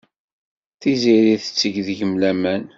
Tiziri tetteg deg-m laman.